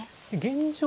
現状